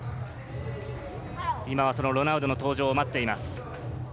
今、ロナウドの登場を待っています。